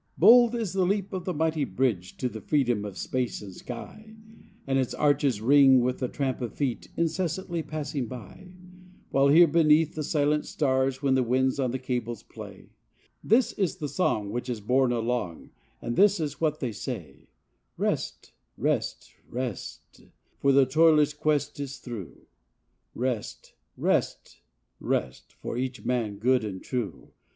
60 Bold is the leap of the mighty bridge To the freedom of space and sky, And its arches ring with the tramp of feet Incessantly passing by; While here beneath the silent stars When the winds on the cables play, This is the song which is borne along, And this is what they say:— "Rest, rest, rest, For the toilers quest is through, Rest, rest, rest, For each man good and true."